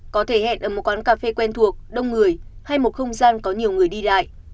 có thể hẹn ở một quán cà phê quen thuộc đông người hay một không gian có nhiều người đi lại